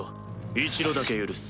一度だけ許す。